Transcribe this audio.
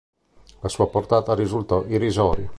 La sua portata risultò irrisoria.